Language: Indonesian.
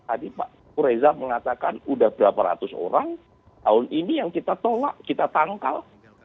tadi pak reza mengatakan sudah berapa ratus orang tahun ini yang kita tolak kita tangkal